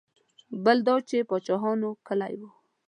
بل دا د پاچاهانو کلی و.